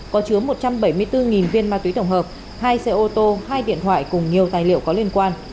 có chứa một trăm bảy mươi bốn viên ma túy tổng hợp hai xe ô tô hai điện thoại cùng nhiều tài liệu có liên quan